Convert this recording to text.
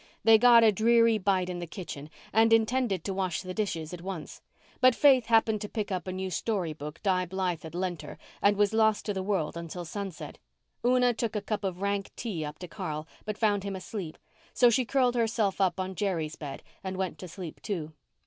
They got a dreary bite in the kitchen and intended to wash the dishes at once. But Faith happened to pick up a new story book Di Blythe had lent her and was lost to the world until sunset. Una took a cup of rank tea up to Carl but found him asleep; so she curled herself up on Jerry's bed and went to sleep too.